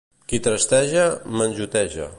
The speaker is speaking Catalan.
Qui trasteja, menjoteja.